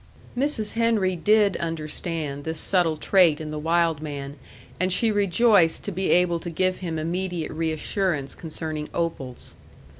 Mrs. Henry did understand this subtle trait in the wild man, and she rejoiced to be able to give him immediate reassurance concerning opals.